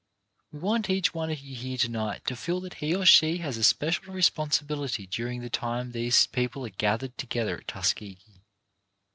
We want each one of you here to night to feel that he or she has a special responsibility during the time these people are gathered together at Tuske gee.